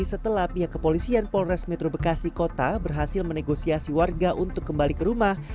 setelah pihak kepolisian polres metro bekasi kota berhasil menegosiasi warga untuk kembali ke rumah